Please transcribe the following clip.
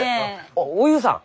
あっおゆうさん！